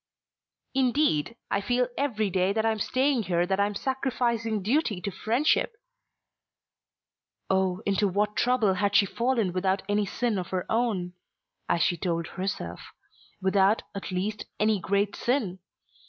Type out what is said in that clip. "Indeed, I feel every day that I am staying here that I am sacrificing duty to friendship." Oh, into what trouble had she fallen without any sin of her own, as she told herself; without, at least, any great sin!